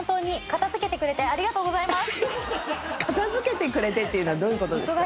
片づけてくれてっていうのはどういう事ですか？